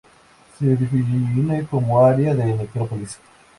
Se define como área de necrópolis.